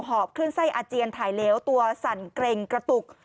หอบขึ้นไส้อาเจียนถ่ายเหลวตัวสั่นเกร็งกระตุก